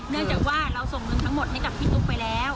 จากว่าเราส่งเงินทั้งหมดให้กับพี่ตุ๊กไปแล้ว